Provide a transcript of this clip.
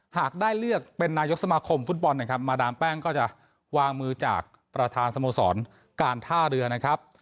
หากได้เลือกเป็นนายกสมาคมฟุตบอลนะครับมาดามแป้งก็จะวางมือจากประธานสโมสรการท่าเรือนะครับ